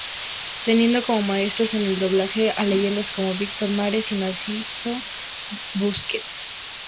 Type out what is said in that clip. Teniendo como maestros en el doblaje a leyendas como Víctor Mares y Narciso Busquets.